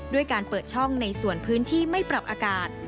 ด้วยการเปิดช่องในส่วนพื้นที่ไม่ปรับอากาศ